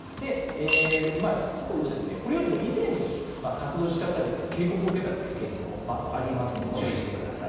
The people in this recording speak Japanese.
過去にも、これよりも以前に活動しちゃったということで、警告を受けたというケースもありますんで、注意してください。